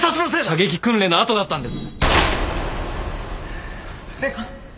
射撃訓練の後だったんです。